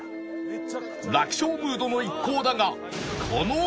楽勝ムードの一行だが